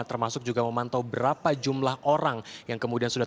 termasuk juga memantau berapa jumlah orang yang kemudian sudah